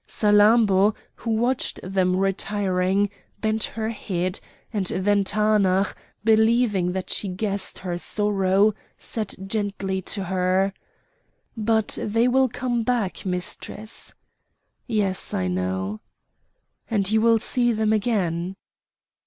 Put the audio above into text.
Salammbô, who watched them retiring, bent her head, and then Taanach, believing that she guessed her sorrow, said gently to her: "But they will come back, Mistress." "Yes! I know." "And you will see them again."